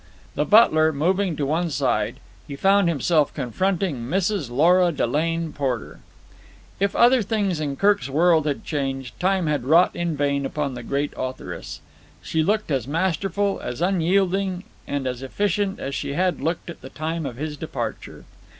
The butler moving to one side, he found himself confronting Mrs. Lora Delane Porter. If other things in Kirk's world had changed, time had wrought in vain upon the great authoress. She looked as masterful, as unyielding, and as efficient as she had looked at the time of his departure.